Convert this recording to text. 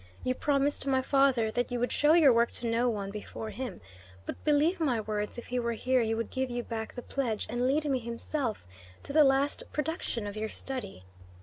You promised my father that you would show your work to no one before him, but believe my words, if he were here he would give you back the pledge and lead me himself to the last production of your study.